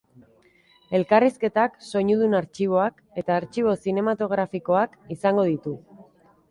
Elkarrizketak, soinudun artxiboak, eta artxibo zinematografikoak izango ditu.